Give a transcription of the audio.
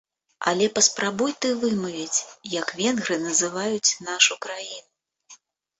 Але паспрабуй ты вымавіць, як венгры называюць нашую краіну!